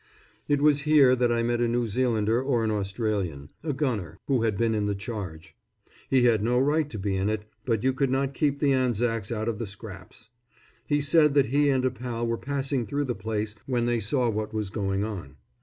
It was here that I met a New Zealander or an Australian, a gunner, who had been in the charge. He had no right to be in it, but you could not keep the Anzacs out of the scraps. He said that he and a pal were passing through the place when they saw what was going on.